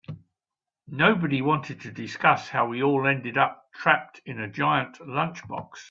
Nobody wanted to discuss how we all ended up trapped in a giant lunchbox.